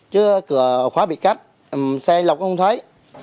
chứ cửa khóa bị cắt xe anh lộc không thấy